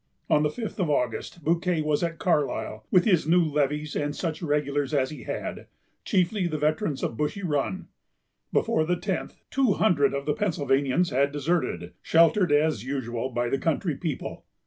On the fifth of August, Bouquet was at Carlisle, with his new levies and such regulars as he had, chiefly the veterans of Bushy Run. Before the tenth, two hundred of the Pennsylvanians had deserted, sheltered, as usual, by the country people.